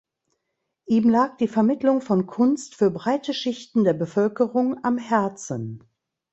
Ihm lag die Vermittlung von Kunst für breite Schichten der Bevölkerung am Herzen.